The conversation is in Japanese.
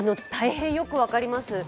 大変よく分かります。